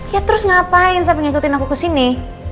ya terus ngapain sampai ngikutin aku ke sini